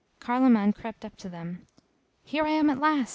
Carloman crept up to them "Here I am at last!"